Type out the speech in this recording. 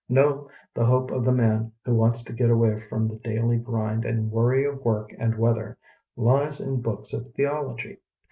No, the hope of the man who wants to get away from the daily grind and worry of work and weather, lies in books of theology.